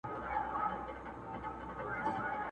که به زما په دعا کیږي تا دی هم الله مین کړي،